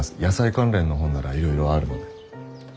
野菜関連の本ならいろいろあるので。